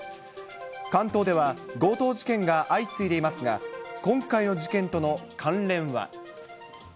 関東では強盗事件が相次いでいますが、今回の事件との関連は。